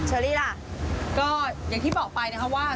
เชอรี่ล่ะก็อย่างที่บอกไปนะคะว่า